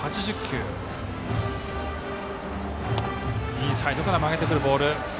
インサイドから曲げてくるボール。